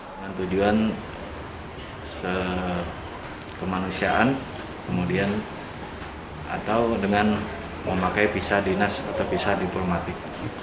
dengan tujuan kemanusiaan kemudian atau dengan memakai visa dinas atau visa diplomatik